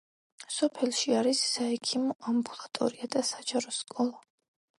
სოფელში არის საექიმო ამბულატორია და საჯარო სკოლა.